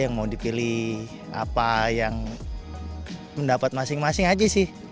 yang mau dipilih apa yang mendapat masing masing aja sih